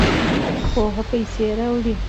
پوهه پیسې راوړي.